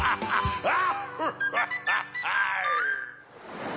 あっ！